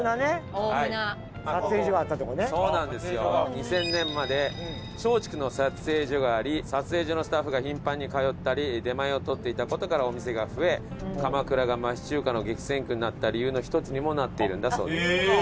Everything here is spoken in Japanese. ２０００年まで松竹の撮影所があり撮影所のスタッフが頻繁に通ったり出前を取っていた事からお店が増え鎌倉が町中華の激戦区になった理由の一つにもなっているんだそうです。